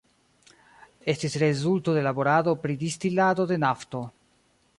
Estis rezulto de laborado pri distilado de nafto.